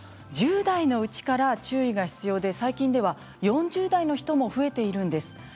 １０代のうちから注意が必要で最近では４０代の人も増えているんです。